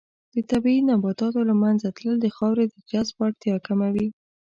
د طبیعي نباتاتو له منځه تلل د خاورې د جذب وړتیا کموي.